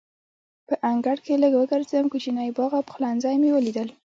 په انګړ کې لږ وګرځېدم، کوچنی باغ او پخلنځی مې ولیدل.